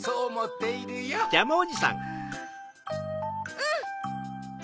うん！